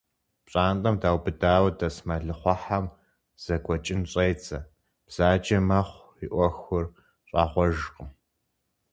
Пщӏантӏэм даубыдауэ дэс мэлыхъуэхьэм зэкӀуэкӀын щӀедзэ, бзаджэ мэхъу, и Ӏуэхур щӀагъуэжкъым.